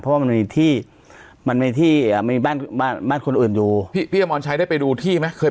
เพราะว่ามันมีที่มันมีที่มีบ้านบ้านคนอื่นอยู่พี่พี่อมรชัยได้ไปดูที่ไหมเคย